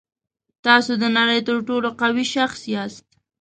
تاسو د نړۍ تر ټولو قوي شخص یاست.